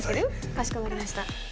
かしこまりました。